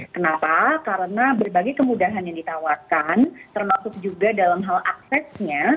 kenapa karena berbagai kemudahan yang ditawarkan termasuk juga dalam hal aksesnya